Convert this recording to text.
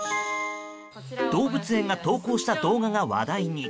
動物園が投稿した動画が話題に。